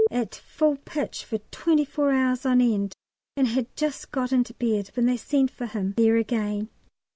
at full pitch for twenty four hours on end, and had just got into bed when they sent for him there again.